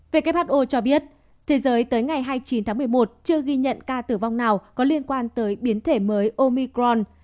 who cho biết thế giới tới ngày hai mươi chín tháng một mươi một chưa ghi nhận ca tử vong nào có liên quan tới biến thể mới omicron